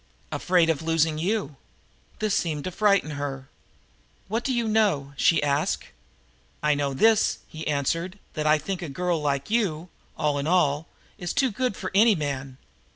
"Afraid of losing you." This seemed to frighten her. "What do you know?" she asked. "I know this," he answered, "that I think a girl like you, all in all, is too good for any man.